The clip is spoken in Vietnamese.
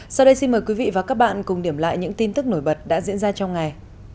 sau đây xin mời quý vị và các bạn cùng điểm lại những tin tức nổi bật đã diễn ra trong ngày